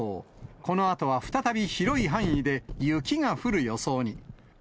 このあとは再び広い範囲で雪が降る予想に。